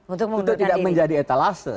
untuk tidak menjadi etalase